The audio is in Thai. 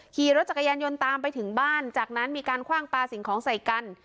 ขี่รถจักรยานยนต์ตามไปถึงบ้านจากนั้นมีการคว่างปลาสิ่งของใส่กัน